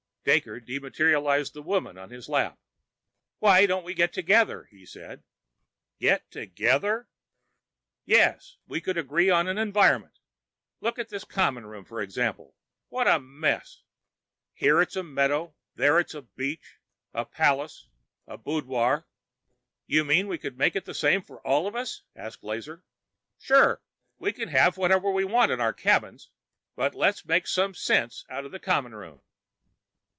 Daker dematerialised the woman on his lap. "Why don't we get together?" he said. "Get together?" "Yes. We could agree on an environment. Look at this common room for example. What a mess! Here, it's a meadow, there it's a beach, a palace, a boudoir." "You mean we should make it the same for all of us?" asked Lazar. "Sure. We can have whatever we want in our cabins, but let's make some sense out of the common room."